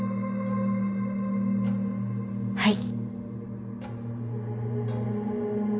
はい。